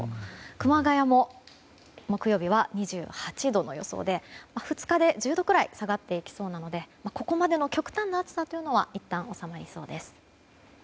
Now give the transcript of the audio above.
熊谷も木曜日は２８度の予想で２日で１０度くらい下がってきそうなのでここまでの極端な暑さというのはいったん収まりそうです。